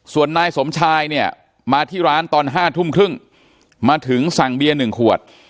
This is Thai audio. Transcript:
ส่วนนายสมชายเนี่ยมาที่ร้านตอน๕ทุ่มครึ่งมาถึงสั่งเบียร์๑ขวด